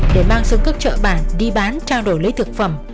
để mang xuống các chợ bản đi bán trao đổi lấy thực phẩm